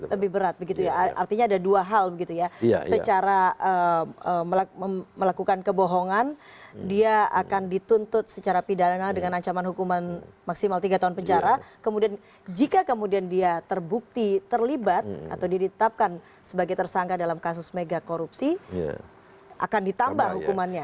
lebih berat begitu ya artinya ada dua hal gitu ya secara melakukan kebohongan dia akan dituntut secara pidana dengan ancaman hukuman maksimal tiga tahun penjara kemudian jika kemudian dia terbukti terlibat atau ditetapkan sebagai tersangka dalam kasus mega korupsi akan ditambah hukumannya